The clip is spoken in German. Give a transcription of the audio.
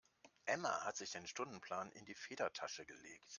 Emma hat sich den Stundenplan in die Federtasche gelegt.